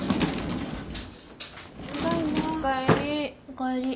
おかえり。